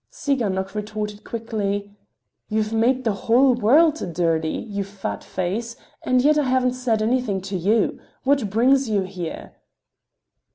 Tsiganok retorted quickly: "You've made the whole world dirty, you fat face, and yet I haven't said anything to you. What brings you here?"